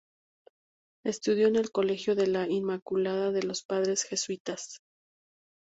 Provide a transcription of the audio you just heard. Estudió en el Colegio de La Inmaculada de los padres jesuitas.